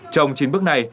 trong chín bước này